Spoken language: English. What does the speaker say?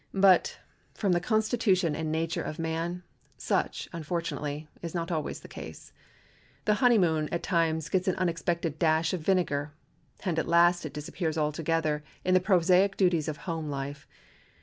But, from the constitution and nature of man, such, unfortunately, is not always the case. The honeymoon, at times, gets an unexpected dash of vinegar, and at last it disappears altogether in the prosaic duties of home life.